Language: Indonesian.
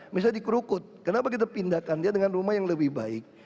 misalnya dikerukut kenapa kita pindahkan dia dengan rumah yang lebih baik